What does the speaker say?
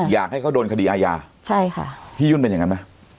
อยากให้เขาโดนคดีอาญาใช่ค่ะพี่ยุ่นเป็นอย่างนั้นไหม